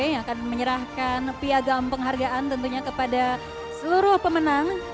yang akan menyerahkan piagam penghargaan tentunya kepada seluruh pemenang